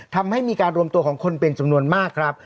ทำให้มีการรวมตัวของคนเป็นจำนวนมากครับ